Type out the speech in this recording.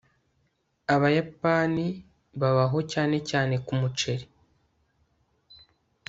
abayapani babaho cyane cyane kumuceri